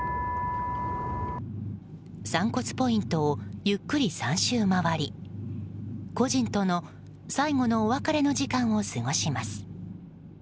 散骨ポイントをゆっくり３周回り故人との最後のお別れの時間を過ごします。